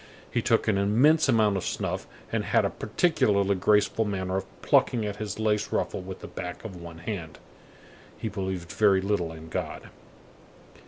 He took an immense amount of snuff, and had a particularly graceful manner of plucking at his lace ruffle with the back of one hand. He believed very little in God.